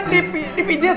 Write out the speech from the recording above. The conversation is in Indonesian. dia apaan dipijet